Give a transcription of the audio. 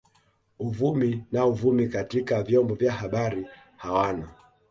Uvumi na uvumi katika vyombo vya habari hawana